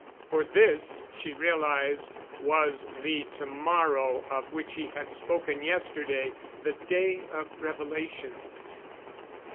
For this, she realized, was the "to morrow" of which he had spoken yesterday ... the day of revelations....